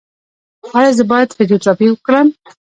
ایا زه باید فزیوتراپي وکړم؟